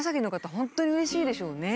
本当にうれしいでしょうね。